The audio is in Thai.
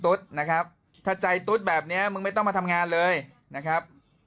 นะครับถ้าใจตุ๊ดแบบนี้มึงไม่ต้องมาทำงานเลยนะครับ